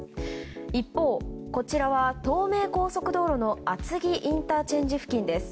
一方、こちらは東名高速道路の厚木ＩＣ付近です。